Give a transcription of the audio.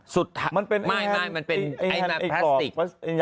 มันตามพลาสติก